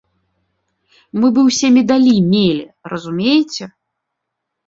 Мы бы ўсе медалі мелі, разумееце?